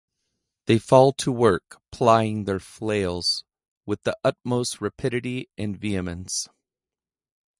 They fall to work, plying their flails with the utmost rapidity and vehemence.